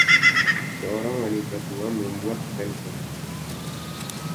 Seorang wanita tua membuat panekuk.